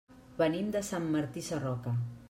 Venim de Sant Martí Sarroca.